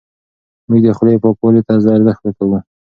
موږ د خولې پاکوالي ته ارزښت ورکوو.